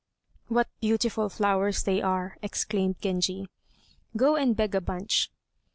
"What beautiful flowers they are," exclaimed Genji. "Go and beg a bunch."